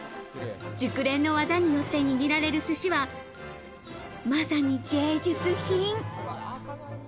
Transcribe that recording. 熟練の技によって握られる寿司はまさに芸術品。